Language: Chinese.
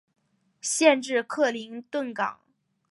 县治克林顿港。